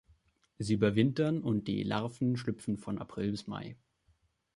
Sie überwintern und die Larven schlüpfen von April bis Mai.